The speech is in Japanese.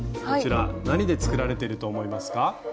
こちら何で作られてると思いますか？